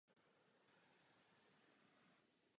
Profesí byl vrchním komisařem.